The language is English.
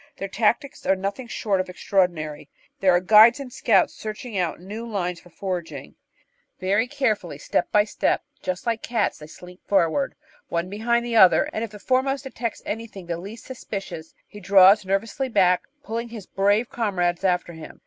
Their tactics are nothing short of extraordinary: there are guides and scouts searching out new lines for foraging. "Very carefully, step by step just like cats, VOL. n— IS 522 The Outline of Science they slink forward, one behind the other, and if the foremost detects anything the least suspicious, he draws nervously back, pulling his *brave' comrades after him."